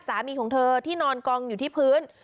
สามีของเธอที่นอนกองอยู่ที่พื้น